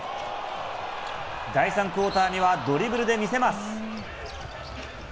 第３クオーターにはドリブルで見せます。